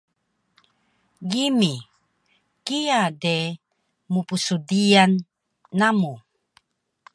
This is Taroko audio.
Gimi, kiya de mpsdiyal namu